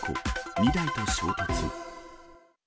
２台と衝突。